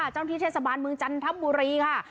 เจ้าหน้าที่เทศบาลเมืองจันทบุรีค่ะ